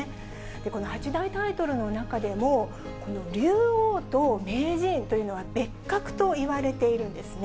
この八大タイトルの中でも、この竜王と名人というのは、別格といわれているんですね。